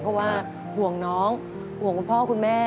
เพราะว่าห่วงน้องห่วงคุณพ่อคุณแม่